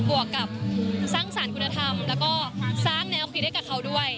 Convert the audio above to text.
วกกับสร้างสรรค์คุณธรรมแล้วก็สร้างแนวคิดให้กับเขาด้วย